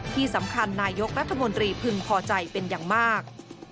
ที่สำคัญนายกรัฐมนตรีพึงพอใจเป็นอย่างมาก